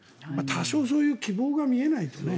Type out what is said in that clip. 多少、そういう希望が見えないとね。